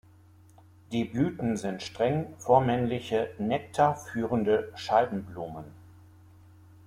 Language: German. Die Blüten sind streng vormännliche „Nektar führende Scheibenblumen“.